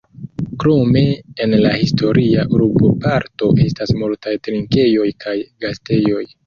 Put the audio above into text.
Krome en la historia urboparto estas multaj trinkejoj kaj gastejoj.